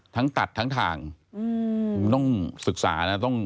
ทั้งตัดทั้งทาง